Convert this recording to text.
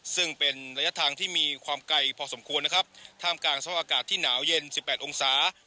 ซึ่งเป็นระยะทางที่มีความไกลพอสมควรนะครับท่ามกลางสภาพอากาศที่หนาวเย็นสิบแปดองศา